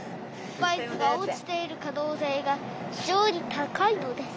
「スパイスが落ちている可能性が非常に高いのです。